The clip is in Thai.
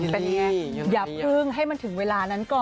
เป็นไงอย่าเพิ่งให้มันถึงเวลานั้นก่อน